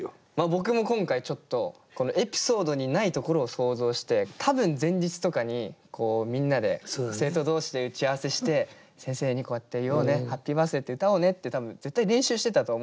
僕も今回ちょっとエピソードにないところを想像して多分前日とかにみんなで生徒同士で打ち合わせして先生にこうやって言おうね「ハッピーバースデイ」って歌おうねって絶対練習してたと思うんですよ。